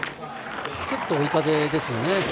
ちょっと追い風ですよね。